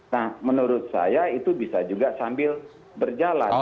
nah menurut saya itu bisa juga sambil berjalan